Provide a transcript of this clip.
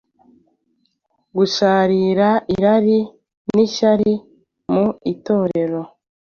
gusharira, irari n’ishyari mu itorero,